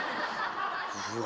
うわ！